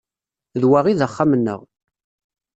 D wa i d axxam-nneɣ.